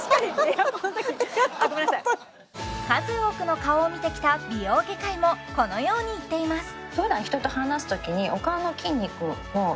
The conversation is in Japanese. ごめんなさい数多くの顔を見てきた美容外科医もこのように言っています